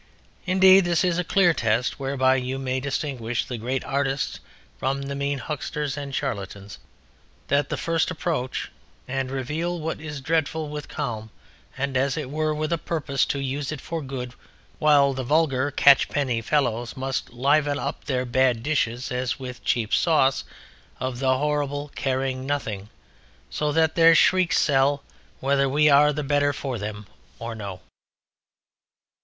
Indeed this is a clear test whereby you may distinguish the great artists from the mean hucksters and charlatans, that the first approach and reveal what is dreadful with calm and, as it were, with a purpose to use it for good while the vulgar catchpenny fellows must liven up their bad dishes as with a cheap sauce of the horrible, caring nothing, so that their shrieks sell, whether we are the better for them or no.